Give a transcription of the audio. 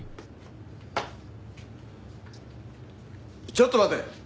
ちょっと待て。